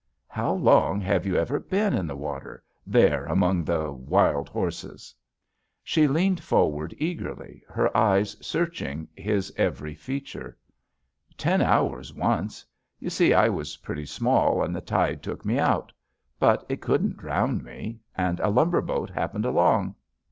"How long have you ever been in the water — there, among the — ^wild horses?" She leaned forward eagerly, her eyes search ing his every feature. "Ten hours, once. You see I was pretty JUST SWEETHEARTS small and the tide took me out. But It couldn't drown me. And a lumber boat happened along."